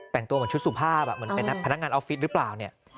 แต่งตัวเหมือนชุดสุภาพเหมือนเป็นพนักงานออฟฟิศหรือเปล่าเนี่ย